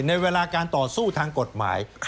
ในเวลาการต่อสู้ทางกฎหมาย